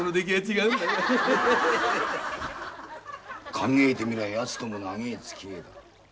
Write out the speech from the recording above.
考えてみりゃやつとも長え付き合いだ。